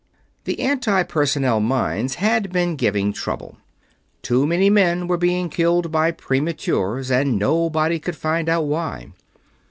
The Anti Personnel mines had been giving trouble. Too many men were being killed by prematures, and nobody could find out why.